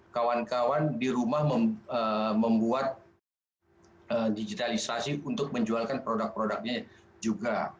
kawan kawan di rumah membuat digitalisasi untuk menjualkan produk produknya juga